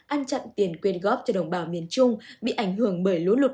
ăn chặn tiền quyên góp cho đồng bào miền trung bị ảnh hưởng bởi lũ lụt